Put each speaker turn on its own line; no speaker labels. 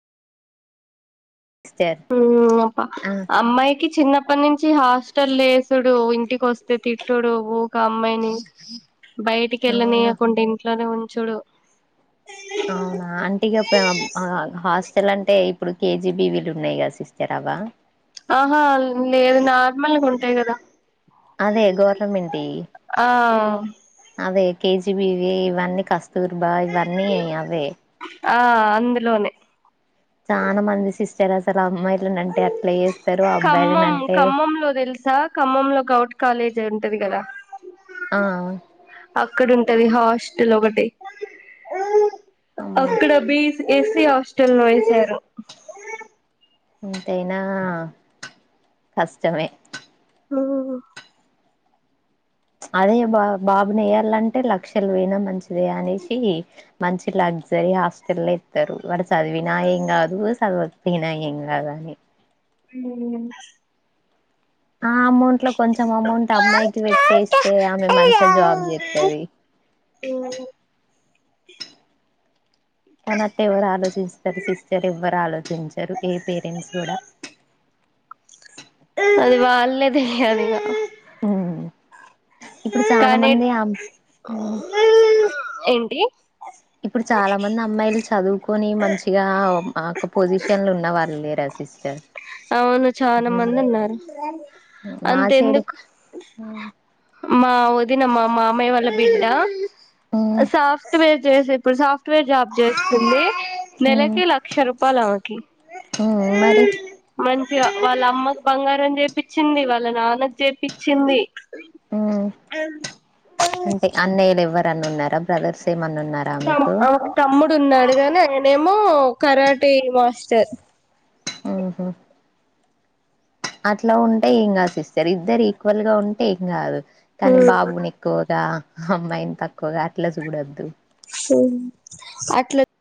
sister
ఉమ్ ఓప
ఆ
అమ్మాయికి చిన్నప్ అప్పటి నుంచి హాస్టల్లో యేసుడు ఇంటికొస్తే తిట్టుడు ఊక అమ్మాయిని
అవునా
బయటికిెళ్ళనియ కుండా ఇంట్లోనే ఊఁ చుడ్
అవునా అంట్ ఇగ పె ఆ హాస్టల్ అంటే ఇప్పుడు కేజీబి వీలు ఉన్నాయి కదా సిస్టర్ అవా
ఆహా లేదు నార్మల్గా ఉంటాయి కదా
అదే గవర్నమెంట యి
ఆ
అదే కేజీబివి ఇవన్నీ కస్తూర్బా ఇవన్నీ యి అవే
ఆ అందులోనే
చన్ మంది సిస్టర్ అసలు అమ్మాయి
ఖమ్మం
అంటే
ఖమ్మంలో తెలుసా ఖమ్మంలో గౌట్ కాలేజ్ ఉంటది కదా
ఆ
అక్కడ ఉంటది హాస్టల్ ఒకటి
అమ్మో
అక్కడ బీస్ ఎస్సీ హాస్టల్ లో యేసారు
ఎంతైనా కష్టమే
ఆ
అదే బా బాబుని వేయ్యాలంటే లక్షలు పోయినా మంచిదే అనేసి మంచి లగ్జరీ హాస్టల్ ఎత్ తారు వాడు సదివిన ఎమ్ గాదు చదవ్ పిన ఎమ్ గాద్ అని
హ [unintelligible]
ఆ అమౌంట్ లో కొంచెం అమౌంట్ అమ్మాయికి పెటెస్తే ఆమె మంచిగా జాబ్ జేతది
ఉమ్
తనట్టే ఎవరు ఆలోచిస్తారు సిస్టర్ ఎవర్ ఆలోచించారు ఏ పేరెంట్స్ కూడా
అది వాలాదే అది గ
మ్మ్ ఇప్పుడు చాలా
కానీ
మంది అమ్ మ్మ్
ఏంటి
ఇప్పుడు చాలా మంది అమ్మాయిలు చదువుకొని మంచిగా ఒక పొజిషన్ లో ఉన్న వాళ్ళు లేరా సిస్టర్
అవును చాలా మంది
మ్మ్
ఉన్నారు
మా
అంత
సైడ్
ఎందుకు
మ్మ్
మా వది వదిన మా మామయ్య వాళ్ళ బిడ్డ
హ్మ్
సాఫ్ట్వేర్ చేసి ఇప్పుడు సాఫ్ట్వేర్ జాబ్ చేస్తుంది
హ్మ్
నెలకి లక్ష రూపాయలు ఆమెకు ఓకే
హ్మ్ మరి
మం వాళ్ళ అమ్మకు బంగారం చేపిచ్చింది వాళ్ళ నాన్నకు చేపిచ్చింది
హు అంటే అన్నయ్యలు ఎవ్వరు ఎవరన్నా ఉన్నార బ్రదర్స్ ఏమన్నా ఉన్నారా
తమ్
మీకు
తమ్ముడు ఉన్నాడుగాని ఆయ ఎమో కరాటి మాస్టర్
ఆహ అట్లా ఉంటే ఏం కాదు సిస్టర్ ఇద్దరు ఈక్వల్ గా ఉంటే ఏం కాదు కానీ బాబుని ఎక్కువగా అమ్మాయిని తక్కువగా అట్లా చూడొద్దు
హు అట్లా